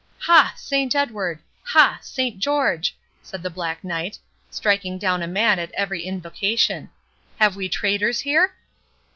"Ha! Saint Edward! Ha! Saint George!" said the Black Knight, striking down a man at every invocation; "have we traitors here?"